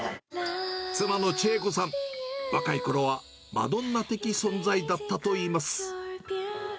妻の千恵子さん、若いころはマドンナ的存在だったといいます。